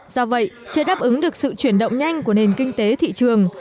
do vậy chưa đáp ứng được sự chuyển động nhanh của nền kinh tế thị trường